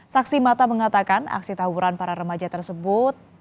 saksi mata mengatakan aksi tawuran para remaja tersebut